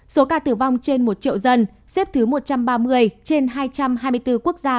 số ca tử vong trên một triệu dân xếp thứ một trăm ba mươi trên hai trăm hai mươi bốn quốc gia